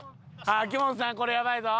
秋元さんこれやばいぞ。